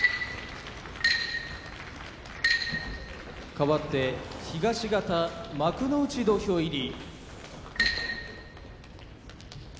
かわって東方幕内土俵入り。